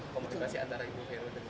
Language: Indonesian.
komunikasi antara ibu dan ibu